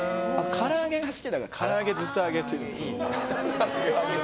から揚げが好きだからから揚げずっと揚げてる。